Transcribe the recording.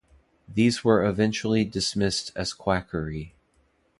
These were eventually dismissed as quackery.